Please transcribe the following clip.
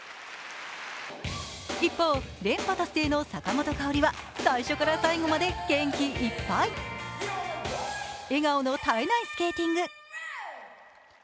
一方、連覇達成の坂本花織は最初から最後まで元気いっぱい、笑顔の絶えないスケーティング。